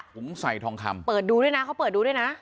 ถุงใส่ทองคำเปิดดูด้วยนะเขาเปิดดูด้วยนะ